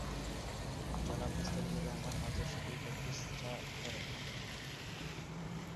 জনাব মোস্তাফিজুর রহমান মাদ্রাসাটি প্রতিষ্ঠা করেন।